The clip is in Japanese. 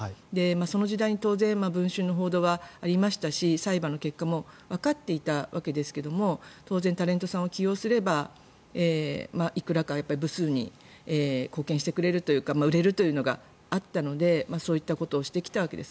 その時代に当然「文春」の報道はありましたし裁判の結果もわかっていたわけですが当然、タレントさんを起用すればいくらか部数に貢献してくれるというか売れるというのがあったのでそういったことをしてきたわけです。